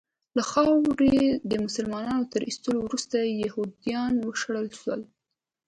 له خاورې د مسلمانانو تر ایستلو وروسته یهودیان وشړل سول.